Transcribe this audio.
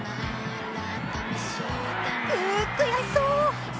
悔しそう！